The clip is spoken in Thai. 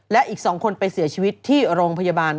และอีก๒คนไปเสียชีวิตที่โรงพยาบาล